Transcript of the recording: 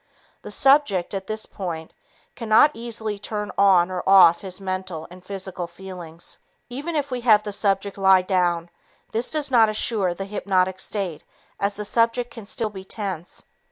The subject, at this point, cannot easily turn on or off his mental and physical feelings. Even if we have the subject lie down, this does not assure the hypnotic state as the subject can still be tense.